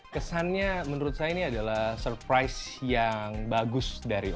kesannya menurut saya ini adalah surprise yang bagus dari